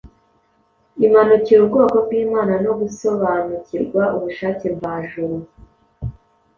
imanukira ubwoko bw’Imana no gusobanukirwa ubushake mvajuru.